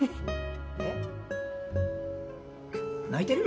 えっ？泣いてる？